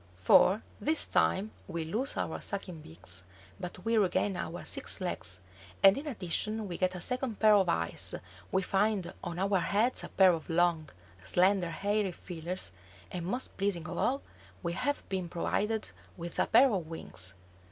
For this time we lose our sucking beaks, but we regain our six legs, and in addition we get a second pair of eyes, we find on our heads a pair of long, slender, hairy feelers, and, most pleasing of all, we have been provided with a pair of wings.